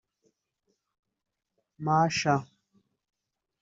Masha